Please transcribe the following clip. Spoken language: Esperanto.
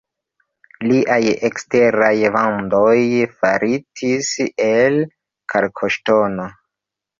Liaj eksteraj vandoj faritis el kalkoŝtono.